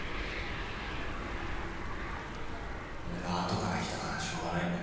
俺が後から来たからしょうがないんだけど